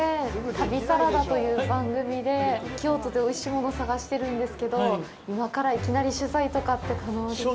旅サラダという番組で京都でおいしいものを探してるんですけど今からいきなり取材とかって可能ですか。